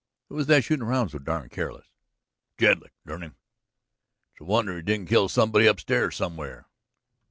"Who was that shootin' around so darned careless?" "Jedlick, dern him!" "It's a wonder he didn't kill somebody upstairs somewhere."